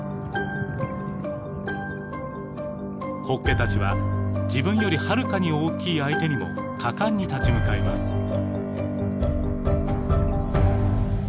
ホッケたちは自分よりはるかに大きい相手にも果敢に立ち向かいます。